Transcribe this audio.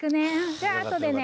じゃああとでね。